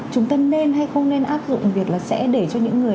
chúng ta nên hay không nên áp dụng việc là sẽ để cho những người